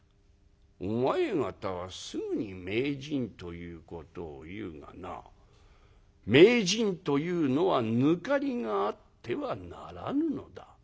「お前方はすぐに名人ということを言うがな名人というのは抜かりがあってはならぬのだ。